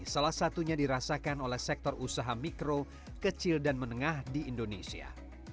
salah satunya dirasakan oleh sektor usaha mikro kecil dan menengah di indonesia